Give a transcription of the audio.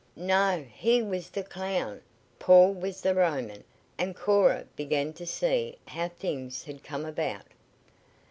"No. He was the clown. Paul was the Roman," and Cora began to see how some things had come about.